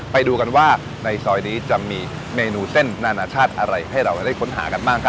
ไปดูกันว่าในซอยนี้จะมีเมนูเส้นนานาชาติอะไรให้เราได้ค้นหากันบ้างครับ